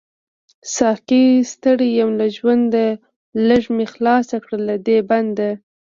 ساقۍ ستړی يم له ژونده، ليږ می خلاص کړه له دی بنده